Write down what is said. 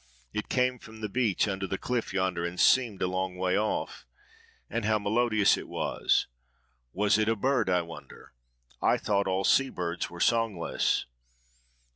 "It came from the beach under the cliff yonder, and seemed a long way off.—And how melodious it was! Was it a bird, I wonder. I thought all sea birds were songless."